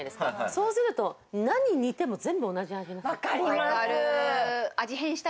そうすると何を煮ても全部同じ味なんですよ。